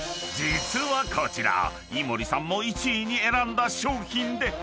［実はこちら井森さんも１位に選んだ商品で］